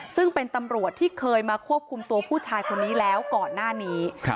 ซึ่งเป็นตำรวจที่เคยมาควบคุมตัวผู้ชายคนนี้แล้วก่อนหน้านี้